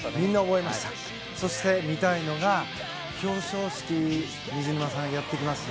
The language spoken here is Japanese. そして、見たいのが表彰式に水沼さんがやってきます。